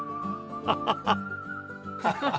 アハハハ。